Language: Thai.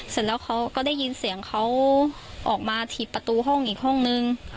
เสร็จแล้วเขาก็ได้ยินเสียงเขาออกมาถีบประตูห้องอีกห้องนึง